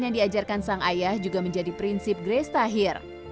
yang diajarkan sang ayah juga menjadi prinsip grace tahir